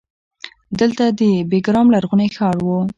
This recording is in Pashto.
دلته د بیګرام لرغونی ښار و